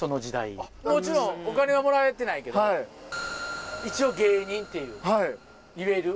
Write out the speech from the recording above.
もちろんお金はもらえてないけど一応芸人って言える。